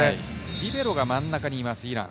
リベロが真ん中にますイラン。